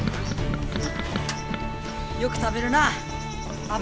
よく食べるなあ。